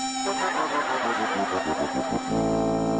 จัดทดลอง